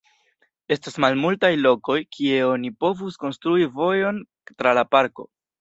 Estas malmultaj lokoj, kie oni povus konstrui vojon tra la parko.